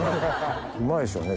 うまいでしょうね